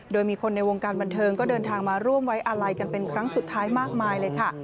โดยมีคนในวงการบันเทิงก็เดินทางมาร่วมไว้อาลัยกันเป็นครั้งสุดท้ายมากมายเลยค่ะ